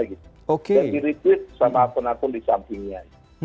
yang di requit sama akun akun di sampingnya